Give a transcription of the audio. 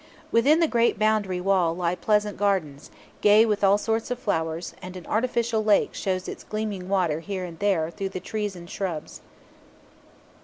Within the great boundary wall lie pleasant gardens, gay with all sorts of flowers, and an artificial lake shows its gleaming water here and there through the trees and shrubs.